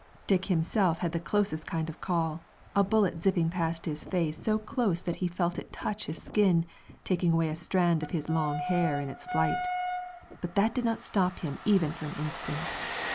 Dick himself had the closest kind of a call, a bullet zipping past his face so close that he felt it touch his skin, taking away a strand of his long hair in its flight. But that did not stop him even for an instant.